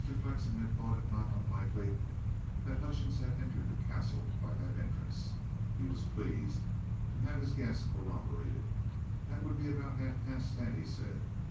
Flexen had thought it not unlikely that Hutchings had entered the Castle by that entrance. He was pleased to have his guess corroborated. "That would be about half past ten," he said.